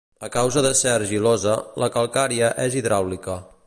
A causa de ser argilosa, la calcària és hidràulica.